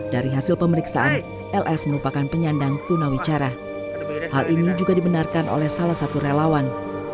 dari hasil pemeriksaan ls merupakan penyandang tunawicara hal ini juga dibenarkan oleh salah satu relawan